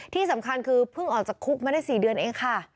ที่สำคัญคือเพิ่งออกจากคุกมาได้๔เดือนเองค่ะ